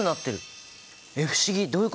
え不思議どういうこと？